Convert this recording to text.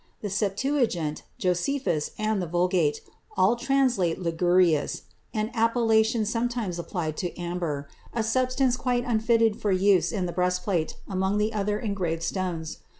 The Septuagint, Josephus, and the Vulgate all translate ligurius, an appellation sometimes applied to amber, a substance quite unfitted for use in the breastplate among the other engraved stones.